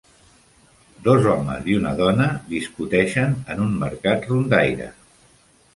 Dos homes i una dona discuteixen en un mercat rondaire.